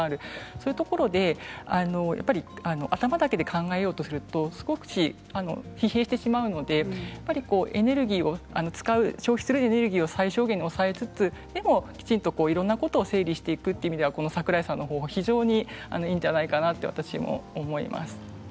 そういうところで頭だけで考えようとすると少し疲弊してしまうのでやっぱり消費するエネルギーを最小限に抑えつつきちんといろんなことを整理するという意味では桜井さんの方法は非常にいいと私も思います。